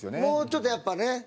もうちょっとやっぱね。